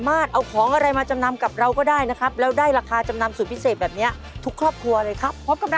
หรือทางจดหมายตามกติกาที่ขึ้นอยู่นี้ได้เลยครับ